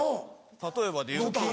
例えばでいうと。